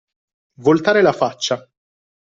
Voltare la faccia.